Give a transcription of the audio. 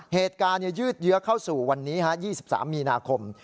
เหตุการณ์ยืดเยื้อเข้าสู่วันนี้๒๓มีนาคม